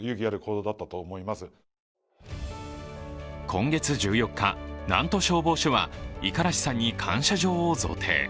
今月１４日、南砺消防署は五十嵐さんに感謝状を贈呈。